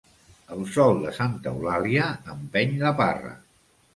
El sol de Santa Eulàlia empeny la parra.